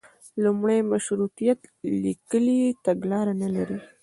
لومړی مشروطیت لیکلي تګلاره نه لري.